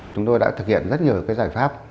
chúng tôi đã thực hiện rất nhiều cái giải pháp